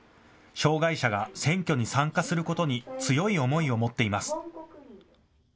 障害者が選挙に参加することに強い思いを持っています。